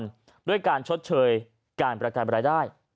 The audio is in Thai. เพื่อการชดเชยการประกันมารายได้